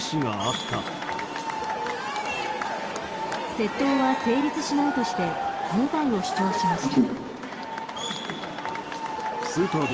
窃盗は成立しないとして無罪を主張しました。